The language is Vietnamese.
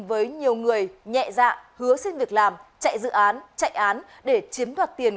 với nhiều người nhẹ dạ hứa xin việc làm chạy dự án chạy án để chiếm đoạt tiền